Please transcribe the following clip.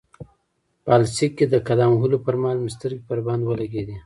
په السیق کې د قدم وهلو پرمهال مې سترګې پر بند ولګېدې.